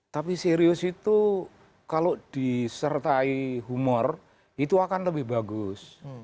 tapi serius itu kalau disertai humor itu akan lebih bagus